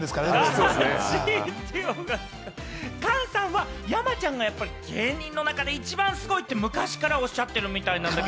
菅さんは、山ちゃんがやっぱり芸人の中で一番すごいって昔からおっしゃってるみたいなんです。